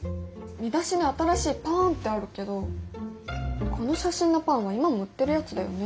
見出しの「新しいパーーーン」ってあるけどこの写真のパンは今も売ってるやつだよね？